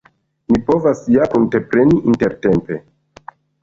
Ni povas ja pruntepreni intertempe.